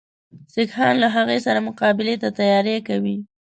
سیکهان له هغه سره مقابلې ته تیاری کوي.